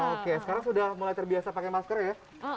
oke sekarang sudah mulai terbiasa pakai masker ya